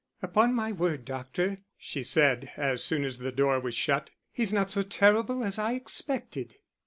"Upon my word, doctor," she said, as soon as the door was shut, "he's not so terrible as I expected."